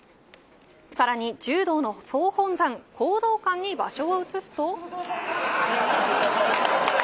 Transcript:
さらに柔道の総本山講道館に場所を移すと。